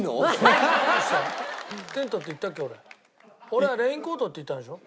俺はレインコートって言ったんでしょ。